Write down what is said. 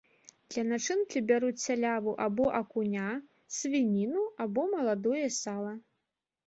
Для начынкі бяруць сяляву або акуня, свініну або маладое сала.